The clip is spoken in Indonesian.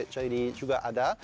jadi juga ada